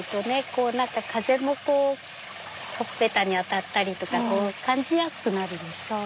こう何か風もこうほっぺたに当たったりとか感じやすくなるでしょう。